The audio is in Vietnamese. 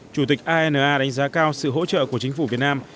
chủ tịch ana đánh giá cao sự hỗ trợ của chính phủ việt nam